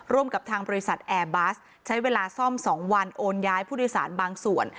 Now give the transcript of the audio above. กับทางบริษัทแอร์บัสใช้เวลาซ่อม๒วันโอนย้ายผู้โดยสารบางส่วน